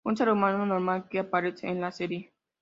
Un ser humano normal que aparece en la serie.